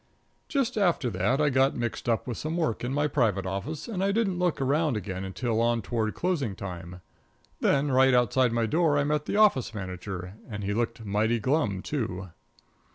Just after that I got mixed up with some work in my private office and I didn't look around again till on toward closing time. Then, right outside my door I met the office manager, and he looked mighty glum, too.